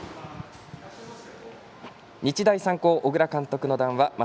日大三高、小倉監督の談話増